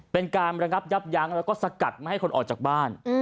เป็นการระงับยับยั้งแล้วก็สกัดไม่ให้คนออกจากบ้าน